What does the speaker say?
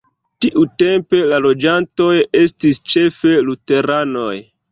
Tiutempe la loĝantoj estis ĉefe luteranoj.